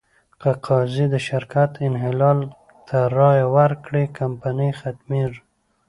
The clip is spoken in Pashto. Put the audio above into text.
که قاضي د شرکت انحلال ته رایه ورکړي، کمپنۍ ختمېږي.